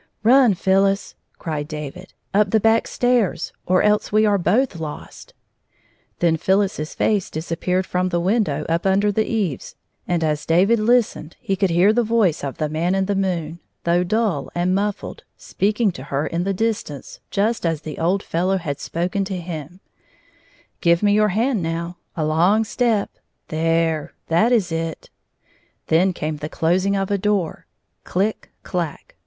" Run, Phyllis," cried David, " up the back stairs, or else we are both lost !" Then Phyllis's face disappeared from the win dow up under the eaves, and as David listened he 150 could hear the voice of the Man in the moon, though dull and muffled, speaking to her in the distance just as the old fellow had spoken to him — "Give me your hand — now; a long step — there ; that is it." Then came the closing of a door — chck! — clack!